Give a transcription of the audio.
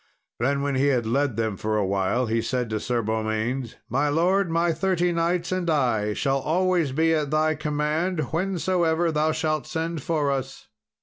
Then, when he had led them for a while, he said to Sir Beaumains, "My lord, my thirty knights and I shall always be at thy command whensoever thou shalt send for us."